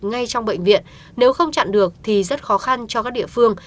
ngay trong bệnh viện nếu không chặn được thì rất khó khăn cho các địa phương